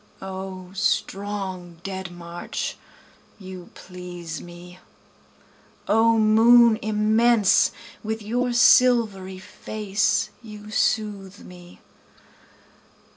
O strong dead march you please me! O moon immense with your silvery face you soothe me!